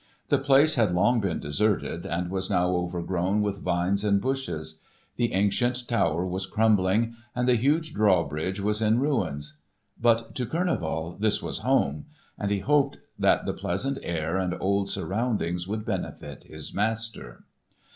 The place had long been deserted and was now overgrown with vines and bushes. The ancient tower was crumbling, and the huge drawbridge was in ruins. But to Kurneval this was home, and he hoped that the pleasant air and old surroundings would benefit his master.